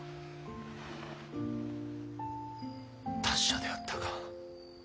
達者であったか。